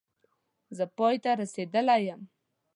زه پای ته رسېدلی یم